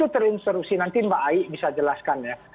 terus terusin nanti mbak aik bisa jelaskan ya